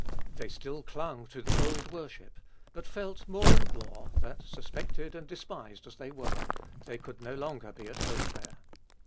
They still clung to the old worship ; but felt more and more that, suspected and despised as they were, they could no longer be at home there.